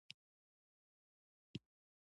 لوگر د افغانستان د ولایاتو په کچه توپیر لري.